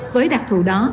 với đặc thù đó